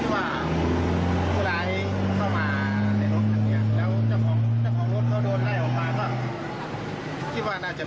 แล้วเจ้าของเจ้าของรถเขาโดนได้ออกมาก็คิดว่าน่าจะเป็นโดนลูกหลวงนะ